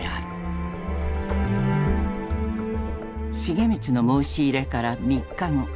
重光の申し入れから３日後。